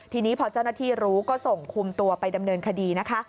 ทีนี้พอเจ้าหน้าที่รู้ก็ส่งคุมตัวไปดำเนินคดีนะคะ